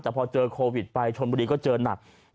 แต่พอเจอโควิดไปชนบุรีก็เจอหนัก